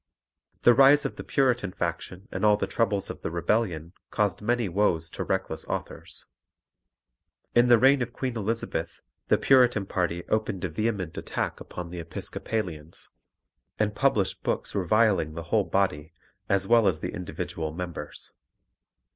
The rise of the Puritan faction and all the troubles of the Rebellion caused many woes to reckless authors. In the reign of Queen Elizabeth the Puritan party opened a vehement attack upon the Episcopalians, and published books reviling the whole body, as well as the individual members.